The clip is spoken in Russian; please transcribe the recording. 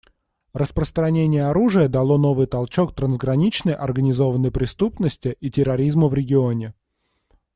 Распространение оружия дало новый толчок трансграничной организованной преступности и терроризму в регионе.